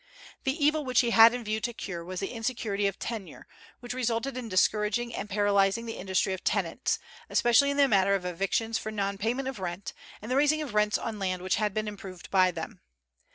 The evil which he had in view to cure was the insecurity of tenure, which resulted in discouraging and paralyzing the industry of tenants, especially in the matter of evictions for non payment of rent, and the raising of rents on land which had been improved by them.